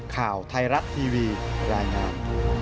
ข่าวไทยรัฐทีวีรายงาน